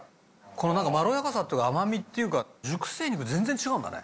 この何かまろやかさっていうか甘みっていうか熟成肉全然違うんだね